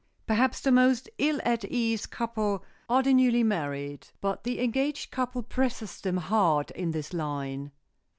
Perhaps the most ill at ease couple are the newly married, but the engaged couple presses them hard in this line.